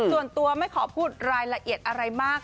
ส่วนตัวไม่ขอพูดรายละเอียดอะไรมาก